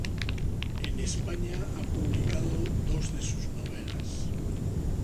En España ha publicado dos de sus novelas.